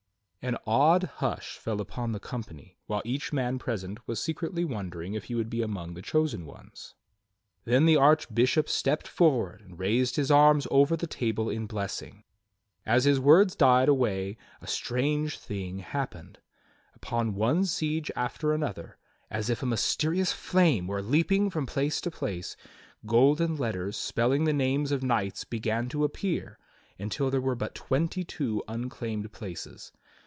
An awed hush fell upon the company, while each man present was secretly wondering if he would be among the chosen ones. Then the Archbishop stepped forward and raised his arms over the table in blessing. As his words died away a strange thing happened: Upon one siege after another, as if a mysterious flame were leaping from place to place, golden letters spelling the names of knights began to appear until there were but twenty two unclaimed jjlaces.